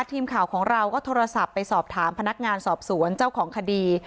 ทีมข่าวของเราก็โทรศัพท์ไปสอบถามพนักงานสอบสวนเจ้าของคดี